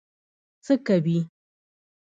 څه کوي.